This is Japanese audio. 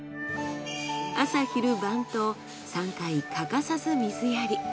朝昼晩と３回欠かさず水やり。